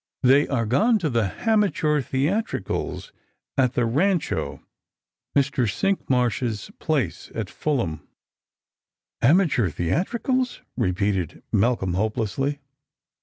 " They are gone to the hamachure theatricals at the Rancho, Mr. Cinkmarsh's place, at Fulham." " Amateur theatricals!" repeated Malcolm hopelessly.